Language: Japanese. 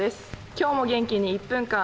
今日も元気に「１分間！